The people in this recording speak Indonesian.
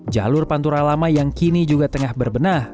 jalur pantura lama yang kini juga tengah berbenah